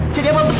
jadi apa betul